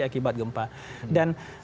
akibat gempa dan